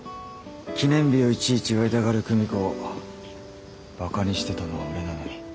記念日をいちいち祝いたがる久美子をばかにしてたのは俺なのに。